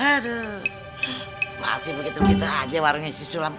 aduh masih begitu begitu aja warungnya si sulam